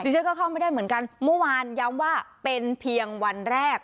ฉันก็เข้าไม่ได้เหมือนกันเมื่อวานย้ำว่าเป็นเพียงวันแรก